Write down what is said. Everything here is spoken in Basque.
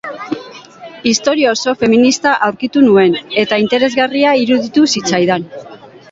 Istorio oso feminista aurkitu nuen, eta interesgarria iruditu zitzaidan.